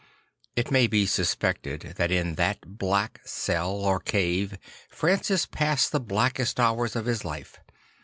It maybe suspected tha t in that black cell or cave Francis passed the blackest hours of his life.